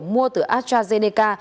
mua từ astrazeneca